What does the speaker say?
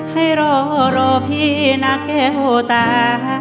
ให้รอรอพี่นักแก้วตา